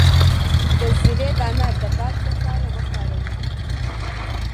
د زیرې دانه د باد لپاره وکاروئ